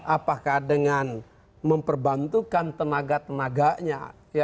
apakah dengan memperbantukan tenaga tenaganya